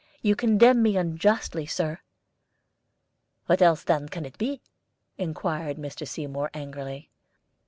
You condemn me unjustly, Sir." "What else, then, can it be?" inquired Mr. Seymour, angrily.